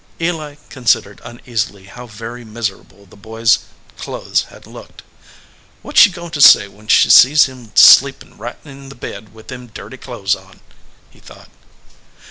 Eli considered uneasily how very miserable the boy s clothes had looked. "What s she goin to say when she sees him sleepin right in the bed with them dirty clothes on?" he thought.